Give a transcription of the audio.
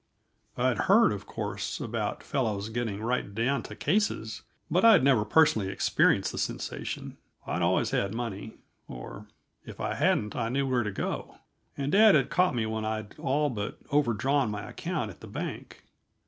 I'd heard, of course, about fellows getting right down to cases, but I'd never personally experienced the sensation. I'd always had money or, if I hadn't, I knew where to go. And dad had caught me when I'd all but overdrawn my account at the bank.